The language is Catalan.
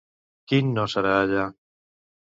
Quin no serà allà?